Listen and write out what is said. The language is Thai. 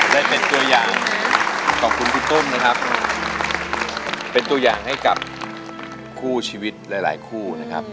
ได้เป็นตัวอย่างขอบคุณพี่ต้นนะครับเป็นตัวอย่างให้กับคู่ชีวิตหลายหลายคู่นะครับ